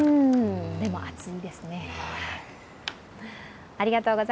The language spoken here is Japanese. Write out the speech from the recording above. でも、暑いですね。